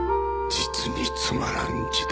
実につまらん字だ。